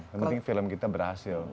yang penting film kita berhasil